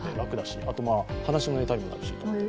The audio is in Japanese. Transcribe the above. あと話のネタにもなるしと思って。